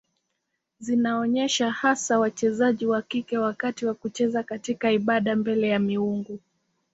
Zinaonyesha hasa wachezaji wa kike wakati wa kucheza katika ibada mbele ya miungu.